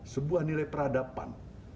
sebuah nilai peradaban